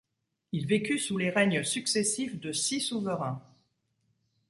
Il vécut sous les règnes successifs de six souverains.